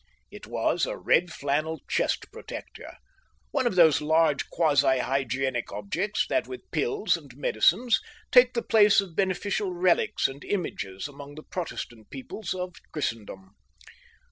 It was a red flannel chest protector, one of those large quasi hygienic objects that with pills and medicines take the place of beneficial relics and images among the Protestant peoples of Christendom.